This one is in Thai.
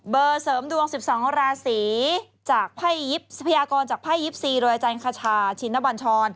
เบอร์เสริมดวง๑๒ราศีพญากรจากภายยิปทรีย์๔โดยอาจารย์คชาชินบัญชร